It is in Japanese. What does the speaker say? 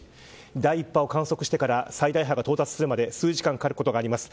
第１波を観測してから最大波が到達するまで数時間かかることがあります。